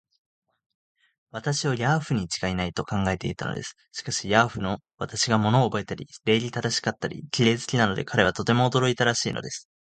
私をヤーフにちがいない、と考えていたのです。しかし、ヤーフの私が物をおぼえたり、礼儀正しかったり、綺麗好きなので、彼はとても驚いたらしいのです。